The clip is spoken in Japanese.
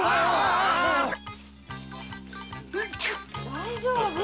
大丈夫？